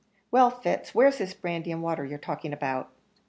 Well, Fitz, where's this brandy and water you're talking about?"